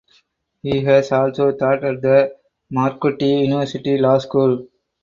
He has also taught at the Marquette University Law School.